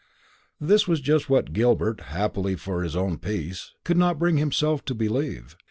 This was just what Gilbert, happily for his own peace, could not bring himself to believe.